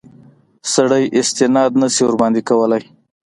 سړی استناد نه شي ورباندې کولای.